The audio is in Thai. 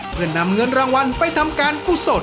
เพื่อนำเงินรางวัลไปทำการกุศล